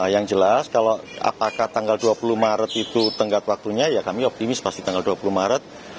yang jelas kalau apakah tanggal dua puluh maret itu tenggat waktunya ya kami optimis pasti tanggal dua puluh maret